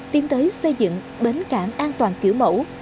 tiến tới xây dựng bến cảng an toàn kiểu mẫu